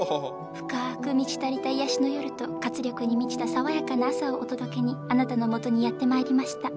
深く満ち足りた癒やしの夜と活力に満ちた爽やかな朝をお届けにあなたのもとにやってまいりました。